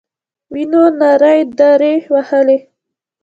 وينو نرۍ دارې وهلې.